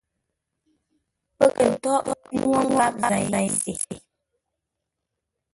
Pə́ kə̂ ntóghʼ nuŋú nkâp zei se.